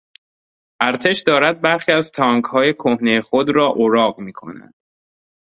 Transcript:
ارتش دارد برخی از تانکهای کهنهی خود را اوراق میکند.